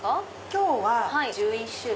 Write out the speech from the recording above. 今日は１１種類。